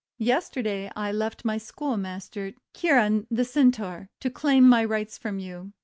Yesterday I left my Schoolmaster Chiron the Centaur, to claim my rights from you.